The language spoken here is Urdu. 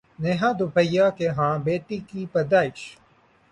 نیہا دھوپیا کے ہاں بیٹی کی پیدائش